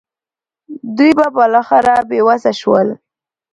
دوی به بالاخره بې وسه شول.